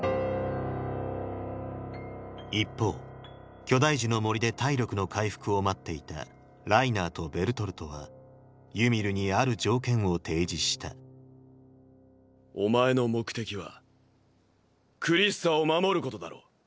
一方巨大樹の森で体力の回復を待っていたライナーとベルトルトはユミルにある条件を提示したお前の目的はクリスタを守ることだろ？